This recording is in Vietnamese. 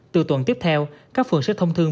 từ tuần tiếp theo các phường sẽ thông thương